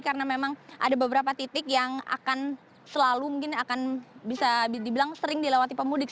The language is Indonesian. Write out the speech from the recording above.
karena memang ada beberapa titik yang akan selalu mungkin akan bisa dibilang sering dilewati pemudiknya